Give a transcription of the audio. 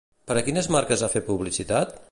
Per a quines marques ha fet publicitat?